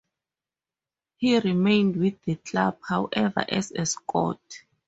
He remained with the club, however, as a scout.